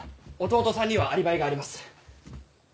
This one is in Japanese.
弟さんにはアリバイがあります。